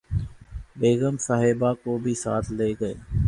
بیگم صاحبہ کو بھی ساتھ لے گئے